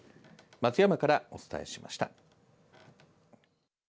松山からお伝えしました。